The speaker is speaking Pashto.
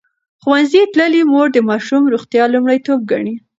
ښوونځې تللې مور د ماشوم روغتیا لومړیتوب ګڼي.